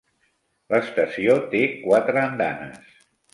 L'estació té quatre andanes.